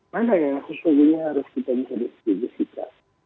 mana yang sesungguhnya harus kita bisa distribusikan